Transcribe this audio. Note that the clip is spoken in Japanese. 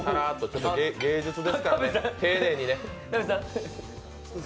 芸術ですからね、丁寧にね。